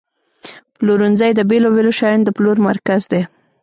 پلورنځی د بیلابیلو شیانو د پلور مرکز دی.